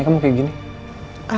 aku cuma dicapai procurasinya mas